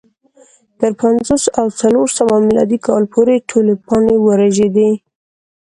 تر پنځوس او څلور سوه میلادي کاله پورې ټولې پاڼې ورژېدې